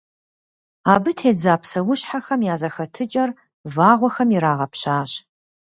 Абы тедза псэущхьэхэм я зэхэтыкӀэр вагъуэхэм ирагъэпщащ.